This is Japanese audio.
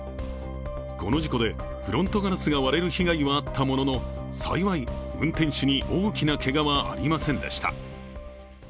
この事故で、フロントガラスが割れる被害はあったものの、幸い、運転手に大きなけがはありませんでした。